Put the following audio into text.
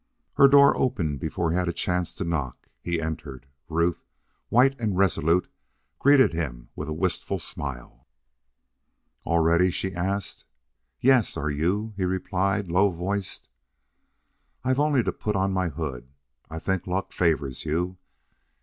Her door opened before he had a chance to knock. He entered. Ruth, white and resolute, greeted him with a wistful smile. "All ready?" she asked. "Yes. Are you?" he replied, low voiced. "I've only to put on my hood. I think luck favors you.